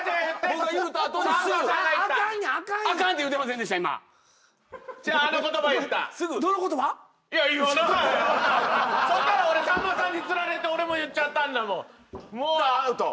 そしたら俺さんまさんにつられて俺も言っちゃったんだもん。